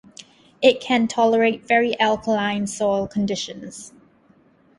It can tolerate very alkaline soil conditions.